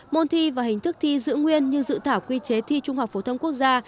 môn thi và hình thức thi giữ nguyên như dự thảo quy chế thi trung học phổ thông quốc gia